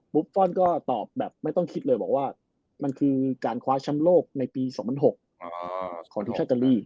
บุฟฟอลก็ตอบแบบไม่ต้องคิดเลยบอกว่ามันคือการคว้าชำโลกในปี๒๐๐๖ของทุชักรี